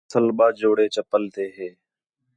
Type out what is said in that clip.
اصل ٻَہہ جوڑے چَپّل تے ہے